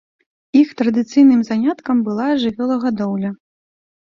Іх традыцыйным заняткам была жывёлагадоўля.